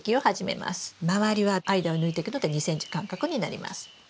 周りは間を抜いてくので２ｃｍ間隔になります。